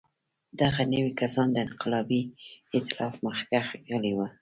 دغه نوي کسان د انقلابي اېتلاف مخکښ غړي وو.